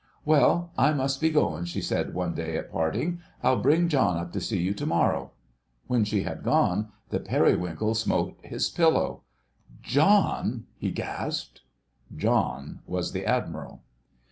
"Well, I must be goin'," she said one day at parting. "I'll bring John up to see you to morrow." When she had gone, the Periwinkle smote his pillow. "John!" he gasped. "John" was the Admiral.